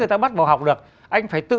người ta bắt vào học được anh phải tự